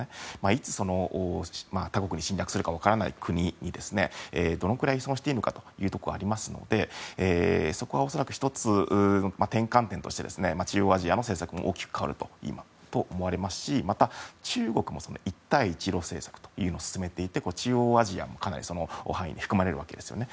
いつ、他国に侵略するか分からない国にどのくらい依存していいのかというところはありますのでそこは恐らく１つの転換点として中央アジアの政策も大きく変わると思われますしまた中国も一帯一路政策というのを進めていて、中央アジアもかなりその範囲に含まれるわけですね。